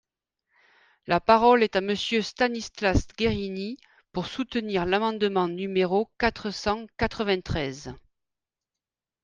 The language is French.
La parole est à Monsieur Stanislas Guerini, pour soutenir l’amendement numéro quatre cent quatre-vingt-treize.